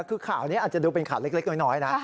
คือข่าวนี้อาจจะดูเป็นข่าวเล็กน้อยนะ